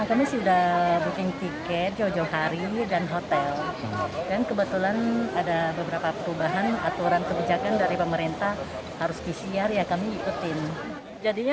ada beberapa perubahan aturan kebijakan dari pemerintah harus pcr ya kami ikutin